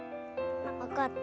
わかった。